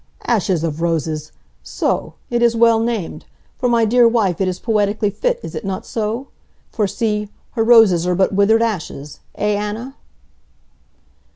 "Ashes of roses! So? It is well named. For my dear wife it is poetically fit, is it not so? For see, her roses are but withered ashes, eh Anna?"